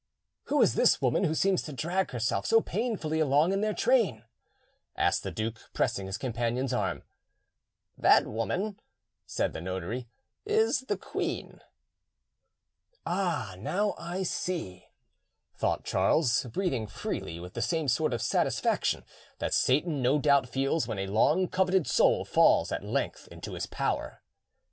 "Who is the woman who seems to drag herself so painfully along in their train?" asked the duke, pressing his companion's arm. "That woman," said the notary, "is the queen." "Ah, now I see," thought Charles, breathing freely, with the same sort of satisfaction that Satan no doubt feels when a long coveted soul falls at length into his power.